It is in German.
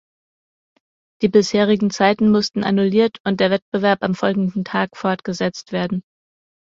Die bisherigen Zeiten mussten annulliert und der Wettbewerb am folgenden Tag fortgesetzt werden.